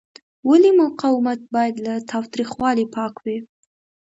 ولې مقاومت باید له تاوتریخوالي پاک وي؟